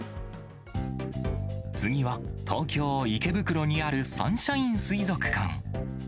次は、東京・池袋にあるサンシャイン水族館。